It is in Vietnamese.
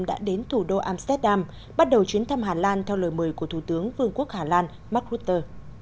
đã đến thủ đô amsterdam bắt đầu chuyến thăm hà lan theo lời mời của thủ tướng vương quốc hà lan mark rutte